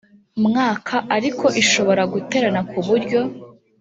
mwaka ariko ishobora guterana ku buryo